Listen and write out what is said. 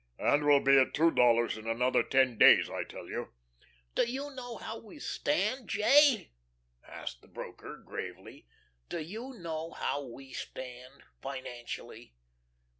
"And we'll be at two dollars in another ten days, I tell you." "Do you know how we stand, J.?" said the broker gravely. "Do you know how we stand financially?